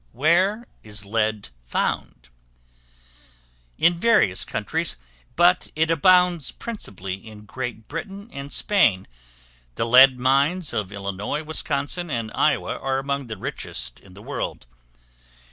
Where is Lead found? In various countries; but it abounds principally in Great Britain and Spain; the lead mines of Illinois, Wisconsin, and Iowa, are among the richest in the world.